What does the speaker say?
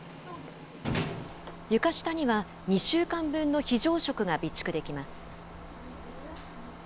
床下には２週間分の非常食が備蓄できます。